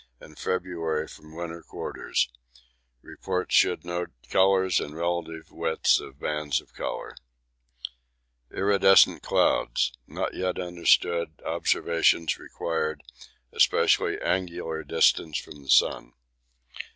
in February from winter quarters. Reports should note colours and relative width of bands of colour. Iridescent Clouds. Not yet understood; observations required, especially angular distance from the sun.